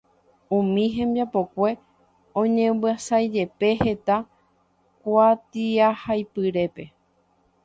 Umi hembiapokue oñemyasãijepe heta kuatiahaipyrépe.